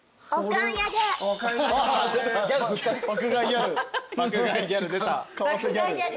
爆買いギャル出た。